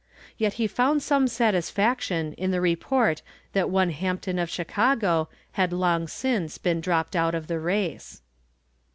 Yet he found some satisfaction in the report that one Hampton of Chicago had long since been dropped out of the race.